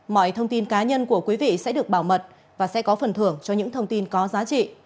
mọi thông tin cá nhân của quý vị sẽ được bảo mật và sẽ có phần thưởng cho những thông tin có giá trị